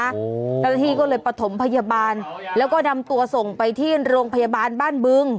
เจ้าหน้าที่ก็เลยประถมพยาบาลแล้วก็นำตัวส่งไปที่โรงพยาบาลบ้านบึง